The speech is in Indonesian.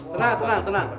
tenang tenang tenang